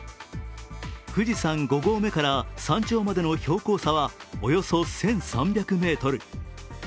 富士山５合目から山頂までの標高差はおよそ１３００ｍ。